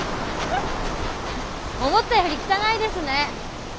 思ったより汚いですね。